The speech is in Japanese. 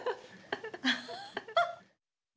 アハハッ。